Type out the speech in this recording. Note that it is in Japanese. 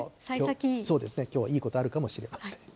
きょうはいいことあるかもしれません。